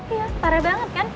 iya parah banget kan